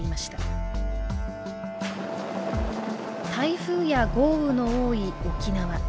台風や豪雨の多い沖縄。